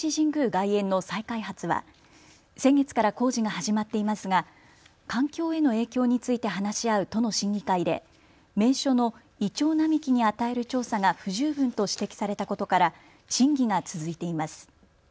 外苑の再開発は先月から工事が始まっていますが環境への影響について話し合う都の審議会で名所のイチョウ並木に与える調査が不十分と指摘されたことから審議が続いています。